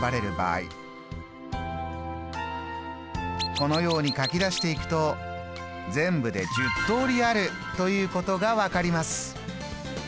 このように書き出していくと全部で１０通りあるということが分かります。